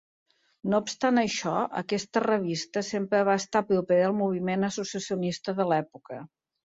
No obstant això, aquesta revista sempre va estar propera al moviment associacionista de l'època.